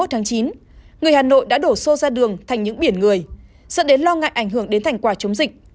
hai mươi tháng chín người hà nội đã đổ xô ra đường thành những biển người dẫn đến lo ngại ảnh hưởng đến thành quả chống dịch